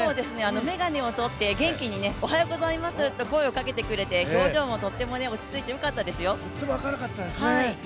眼鏡をとって、元気におはようございますと声をかけてくれて表情もとっても落ち着いてよかったですよ。